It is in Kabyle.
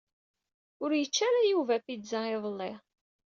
Ur yečči ara Yuba pizza iḍelli.